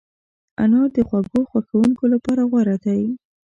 انار د خوږو خوښونکو لپاره غوره دی.